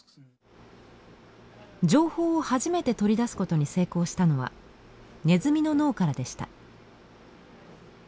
情報を初めて取り出すことに成功したのはネズミの脳からでした。